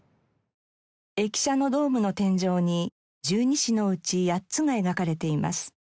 駅舎のドームの天井に十二支のうち８つが描かれています。